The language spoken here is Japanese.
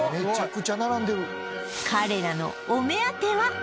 彼らのお目当ては？